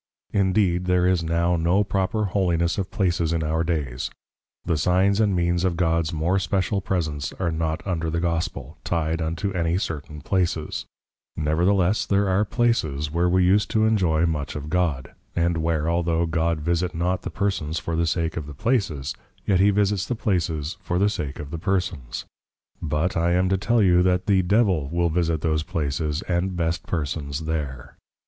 Indeed, there is now no proper Holiness of Places in our Days; the Signs and Means of Gods more special Presence are not under the Gospel, ty'd unto any certain places: Nevertheless there are places, where we use to enjoy much of God; and where, altho' God visit not the Persons for the sake of the Places, yet he visits the Places for the sake of the Persons. But, I am to tell you that the Devil will visit those Places and best Persons there.